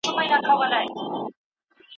اقتصادي او پوځي پراختيا چټکه سوه.